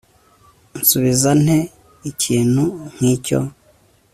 nsubiza nte ikintu nkicyo